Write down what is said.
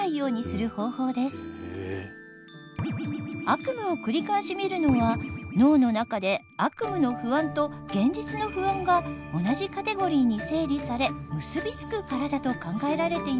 悪夢をくりかえし見るのは脳の中で悪夢の不安と現実の不安が同じカテゴリーに整理され結び付くからだと考えられています。